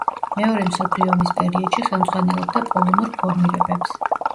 მეორე მსოფლიო ომის პერიოდში ხელმძღვანელობდა პოლონურ ფორმირებებს.